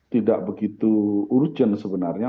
tidak begitu urgent sebenarnya